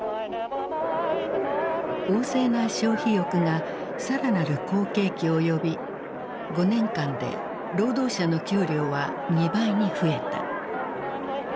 旺盛な消費欲が更なる好景気を呼び５年間で労働者の給料は２倍に増えた。